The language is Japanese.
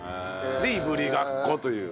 でいぶりがっこという。